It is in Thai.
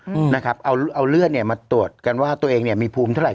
อืมนะครับเอาเอาเลือดเนี้ยมาตรวจกันว่าตัวเองเนี้ยมีภูมิเท่าไห